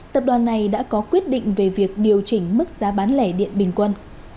tập đoàn này đã có quyết định về việc điều chỉnh mức giá bán lẻ điện bình quân